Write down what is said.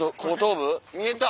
見えた！